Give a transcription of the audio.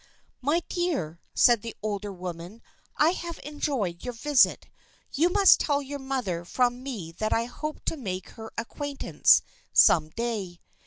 " My dear," said the older woman, " I have en joyed your visit. You must tell your mother from me that I hope to make her acquaintance some day.